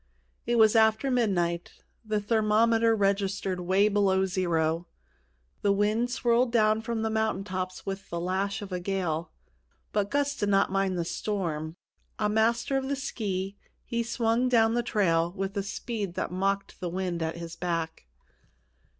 It was after midnight. The thermometer registered way below zero. The wind swirled down from the mountain tops with the lash of a gale. But Gus did not mind the storm; a master of the ski, he swung down the trail with a speed that mocked the wind at his back.